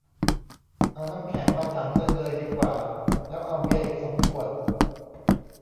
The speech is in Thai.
เอาน้ำแข็งมาถังนึงเลยดีกว่า แล้วเอาเบียร์อีกสองขวด